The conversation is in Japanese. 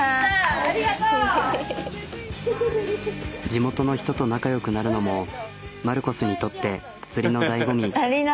地元の人と仲よくなるのもマルコスにとって釣りのだいご味。